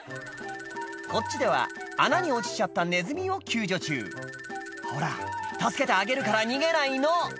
こっちでは穴に落ちちゃったネズミを救助中「ほら助けてあげるから逃げないの」